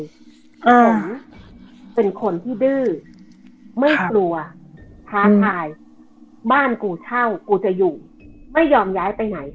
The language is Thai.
ผมเป็นคนที่ดื้อไม่กลัวท้าทายบ้านกูเช่ากูจะอยู่ไม่ยอมย้ายไปไหน